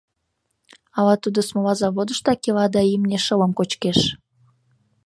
Ала тудо смола заводыштак ила да имне шылым кочкеш.